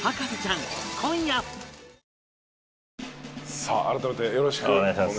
さあ改めてよろしくお願い致します。